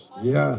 kualisi besar pak